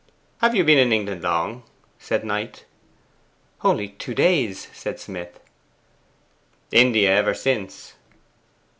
'Have you been in England long?' said Knight. 'Only two days,' said Smith. 'India ever since?